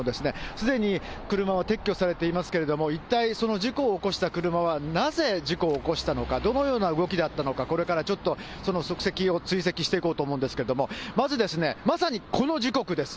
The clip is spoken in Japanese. すでに車は撤去されていますけれども、一体その事故を起こした車はなぜ事故を起こしたのか、どのような動きだったのか、これからちょっと、その足跡を追跡していこうと思うんですけれども、まず、まさにこの時刻です。